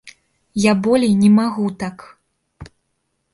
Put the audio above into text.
Я болей не магу так!